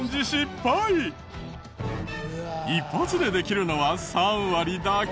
一発でできるのは３割だけ。